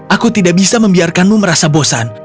aku tidak bisa membiarkanmu merasa bosan